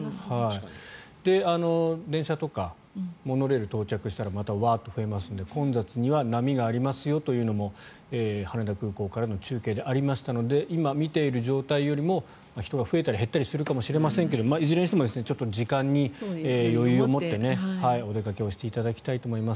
電車とかモノレールが到着したらまだ混雑しますので混雑には波がありますよというのも羽田空港からの中継でありましたので今見ている状態よりも人が増えたり減ったりするかもしれませんがいずれにしても時間に余裕を持ってお出かけをしていただきたいと思います。